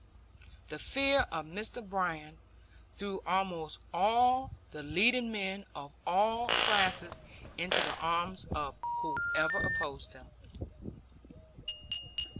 The fear of Mr. Bryan threw almost all the leading men of all classes into the arms of whoever opposed him.